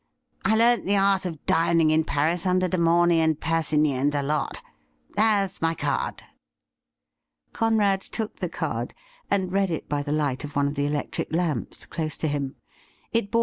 I learned the art of dining in Paris mider De Momy and Persigny, and the lot. There's my card.' Conrad took the card and read it by the light of one of the electric lamps close to him. It bore